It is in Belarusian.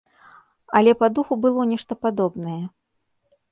Але па духу было нешта падобнае.